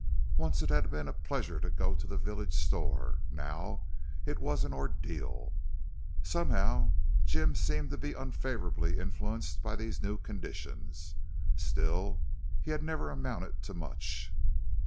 Once it had been a pleasure to go to the village store; now it was an ordeal. Somehow Jim had seemed to be unfavorably influenced by these new conditions. Still, he had never amounted to much.